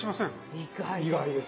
意外です。